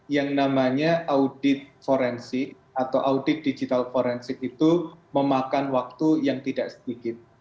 yang namanya audit forensik atau audit digital forensik itu memakan waktu yang tidak sedikit